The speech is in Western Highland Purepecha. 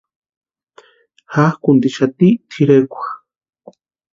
Jakʼuntixati tʼirekwa.